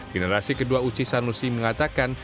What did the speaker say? generasi kedua uci sanusi mengatakan